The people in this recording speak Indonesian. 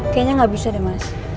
kayaknya nggak bisa deh mas